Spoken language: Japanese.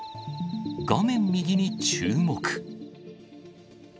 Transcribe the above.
画面右に注目。